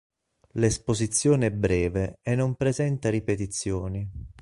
L'esposizione è breve e non presenta ripetizioni.